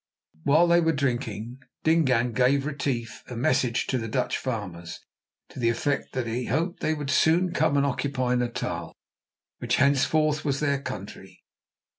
While they were drinking, Dingaan gave Retief a message to the Dutch farmers, to the effect that he hoped they would soon come and occupy Natal, which henceforth was their country.